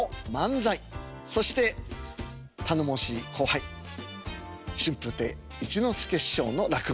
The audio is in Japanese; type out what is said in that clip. そして頼もしい後輩春風亭一之輔師匠の落語。